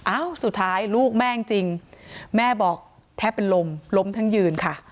สุดท้ายลูกแม่จริงแม่บอกแทบเป็นลมล้มทั้งยืนค่ะ